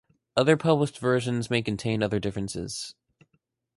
Other published versions may contain other differences.